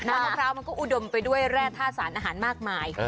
มะพร้าวมันก็อุดมไปด้วยแร่ท่าสารอาหารมากมาย